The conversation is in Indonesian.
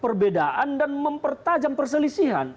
perbedaan dan mempertajam perselisihan